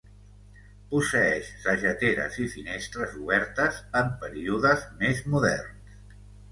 Posseeix sageteres, i finestres obertes en períodes més moderns.